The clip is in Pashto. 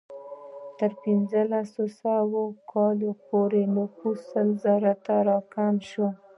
تر پنځلس سوه کال پورې نفوس سل زرو ته راکم شو.